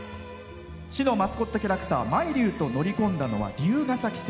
市のマスコットキャラクターまいりゅうと乗り込んだのは竜ヶ崎線。